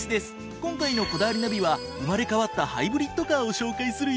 今回の『こだわりナビ』は生まれ変わったハイブリッドカーを紹介するよ。